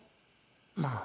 まあ。